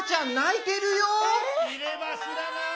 ・いればしらない？